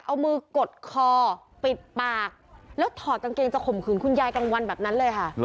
เอามือกดคอปิดปากแล้วถอดกางเกงจะข่มขืนคุณยายกลางวันแบบนั้นเลยค่ะ